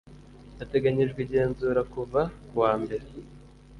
hateganyijwe igenzura kuva ku wa mbere